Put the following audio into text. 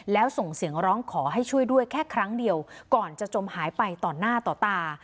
แล้วส่งเสียงร้องขอให้ช่วยด้วยแค่ครั้งเดียวก่อนจะจมหายไปต่อหน้าต่อตา